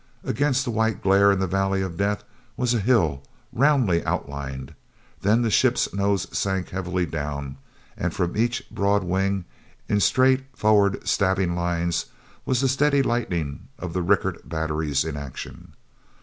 gainst the white glare in the valley of death was a hill, roundly outlined. Then the ship's nose sank heavily down; and, from each broad wing, in straight, forward stabbing lines, was the steady lightning of the Rickert batteries in action.